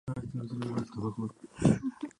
Fue un gobernador legendario de la región de Valaquia.